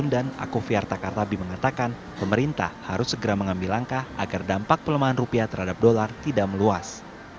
dan aku fyarta kartabi mengatakan pemerintah harus segera mengambil langkah agar dampak pelemahan rupiah terhadap dolar tidak meluas